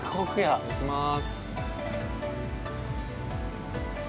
いただきまーす。